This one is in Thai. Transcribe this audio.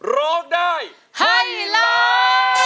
รอบได้ให้เลย